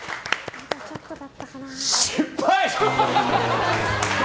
あとちょっとだったかな。